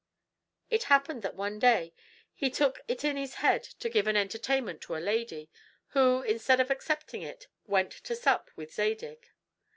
It happened that one day he took it in his head to give an entertainment to a lady, who, instead of accepting it, went to sup with Zadig.